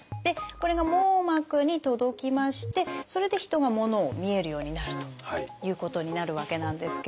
これが網膜に届きましてそれで人が物を見えるようになるということになるわけなんですけれども。